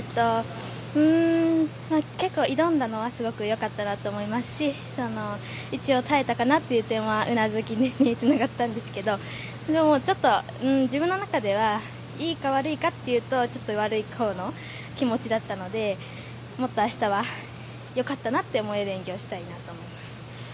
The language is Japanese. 結構、挑んだのはすごく良かったと思いますし一応、耐えたかなという点はうなずきにつながったんですけど自分の中ではいいか悪いかというと悪いほうの気持ちだったのでもっと明日はよかったなって思える演技をしたいと思います。